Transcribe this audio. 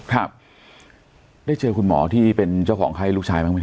ครับได้เจอคุณหมอที่เป็นเจ้าของไข้ลูกชายบ้างไหมครับ